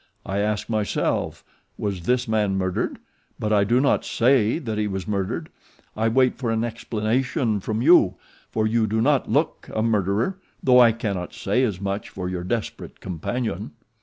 I ask myself: was this man murdered? but I do not say that he was murdered. I wait for an explanation from you, for you do not look a murderer, though I cannot say as much for your desperate companion."